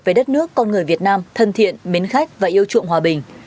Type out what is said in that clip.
với đất nước con người việt nam thân thiện mến khách và yêu trụng hòa bình